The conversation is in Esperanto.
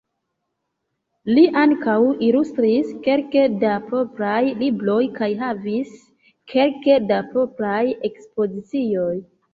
Li ankaŭ ilustris kelke da propraj libroj kaj havis kelke da propraj ekspozicioj.